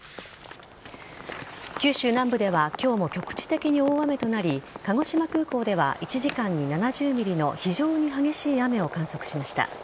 九州南部では今日も局地的に大雨となり鹿児島空港では１時間に７０ｍｍの非常に激しい雨を観測しました。